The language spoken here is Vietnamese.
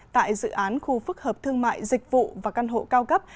tại dự án khu phức hợp thương mại dịch vụ và căn hộ cao cấp